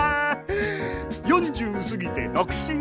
４０過ぎて独身さ。